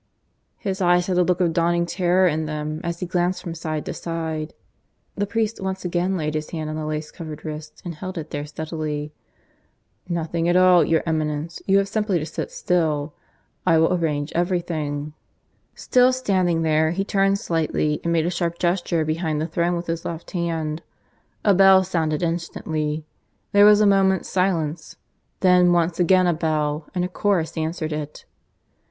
His eyes had a look of dawning terror in them as he glanced from side to side. The priest once again laid his hand on the lace covered wrist and held it there steadily. "Nothing at all, your Eminence. You have simply to sit still. I will arrange everything." Still standing there, he turned slightly and made a sharp gesture behind the throne with his left hand. A bell sounded instantly. There was a moment's silence. Then once again a bell; and a chorus answered it.